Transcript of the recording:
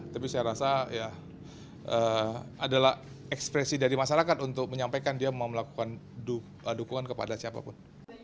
tapi saya rasa ya adalah ekspresi dari masyarakat untuk menyampaikan dia mau melakukan dukungan kepada siapapun